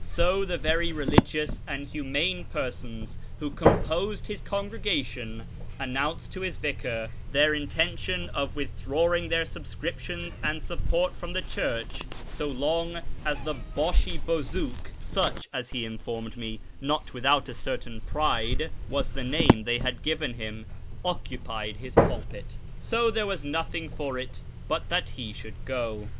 So the very religious and humane persons who composed his congregation announced to his vicar their in tention of withdrawing their subscriptions and support from the church so long as the " Bashi bozouk " (such, as he informed me, not without a certain pride, was the name they had given him) occupied its pulpit. So there was nothing for it but that he should go.